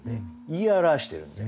言い表してるんで。